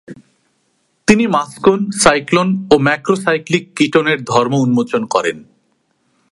তিনি muscone, cyclone ও macrocyclic কিটোনের ধর্ম উন্মোচন করেন।